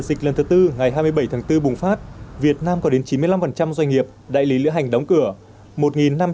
dịch lần thứ tư ngày hai mươi bảy tháng bốn bùng phát việt nam có đến chín mươi năm doanh nghiệp đại lý lữ hành đóng cửa